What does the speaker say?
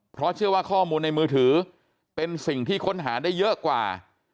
เพราะเชื่อว่าข้อมูลในมือถือเป็นสิ่งที่ค้นหาได้เยอะกว่า